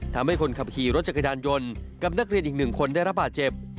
ทำให้คนขับขี่รถจักรยานยนต์กับนักเรียนอีกหนึ่งคนได้รับบาดเจ็บ